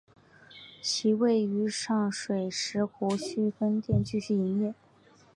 其位于上水石湖墟分店继续营业。